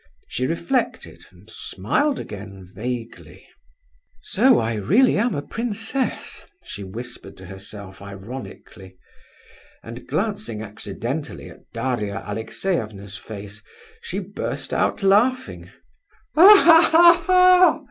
She reflected, and smiled again, vaguely. "So I am really a princess," she whispered to herself, ironically, and glancing accidentally at Daria Alexeyevna's face, she burst out laughing. "Ha, ha, ha!"